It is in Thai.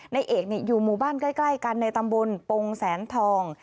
ในเอกอยู่หมู่บ้านใกล้กันในตำบลปงแสนทอง